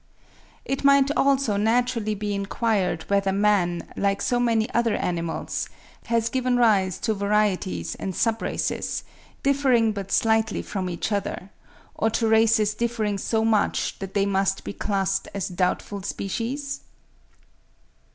It might also naturally be enquired whether man, like so many other animals, has given rise to varieties and sub races, differing but slightly from each other, or to races differing so much that they must be classed as doubtful species?